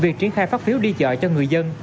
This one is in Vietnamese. việc triển khai phát phiếu đi chợ cho người dân